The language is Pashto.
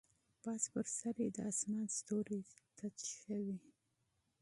پاس پر سر یې د اسمان ستوري تت شوي